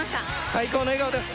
最高の笑顔です。